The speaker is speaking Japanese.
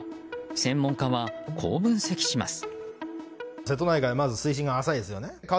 専門家は、こう分析します。